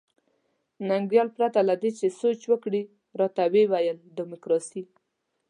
ننګیال پرته له دې چې سوچ وکړي راته وویل ډیموکراسي.